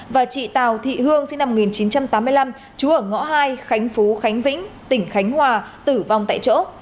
và chị tào thị hương sinh năm một nghìn chín trăm tám mươi năm trú ở ngõ hai khánh phú khánh vĩnh tỉnh khánh hòa tử vong tại chỗ